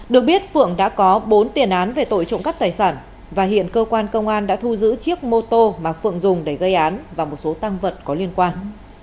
được biết phượng đã có bốn tiền án về tội trộm cắp tài sản và hiện cơ quan công an đã thu giữ chiếc mô tô mà phượng dùng để gây án và một số tăng vật có liên quan